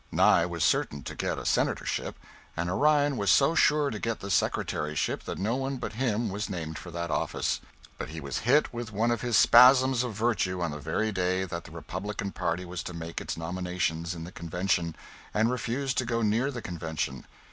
Nye was certain to get a Senatorship, and Orion was so sure to get the Secretaryship that no one but him was named for that office. But he was hit with one of his spasms of virtue on the very day that the Republican party was to make its nominations in the Convention, and refused to go near the Convention.